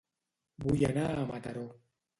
Vull anar a Mataró